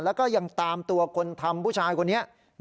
แล้วก็ยังตามตัวกลธรรมผู้ชายติดตามตัวแบบนี้